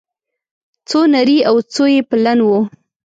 څو نري او څو يې پلن وه